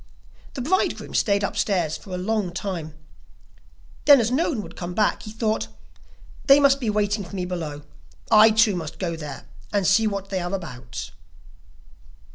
The bridegroom stayed upstairs alone for a long time; then as no one would come back he thought: 'They must be waiting for me below: I too must go there and see what they are about.